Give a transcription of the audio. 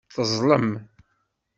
Teẓẓlem.